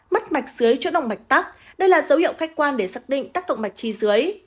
mất mạch dưới chỗ động mạch tắc đây là dấu hiệu khách quan để xác định tác động mạch chi dưới